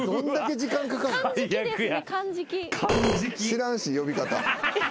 知らんし呼び方。